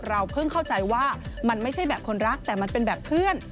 เพิ่งเข้าใจว่ามันไม่ใช่แบบคนรักแต่มันเป็นแบบเพื่อน